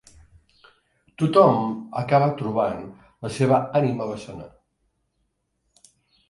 Tothom acaba trobant la seva ànima bessona